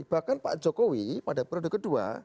bahkan pak jokowi pada periode kedua